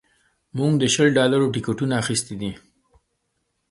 موږ د شل ډالرو ټکټونه اخیستي دي